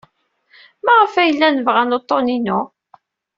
Maɣef ay llan bɣan uḍḍun-inu?